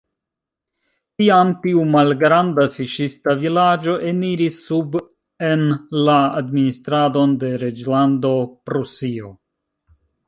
Tiam tiu malgranda fiŝista vilaĝo eniris sub en la administradon de Reĝlando Prusio.